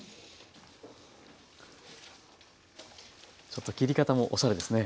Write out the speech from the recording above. ちょっと切り方もおしゃれですね。